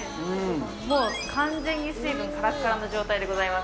もう完全に水分からからの状態でございます。